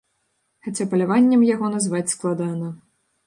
Хаця паляваннем яго назваць складана.